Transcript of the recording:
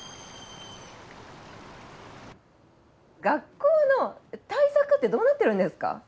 学校の対策ってどうなってるんですか？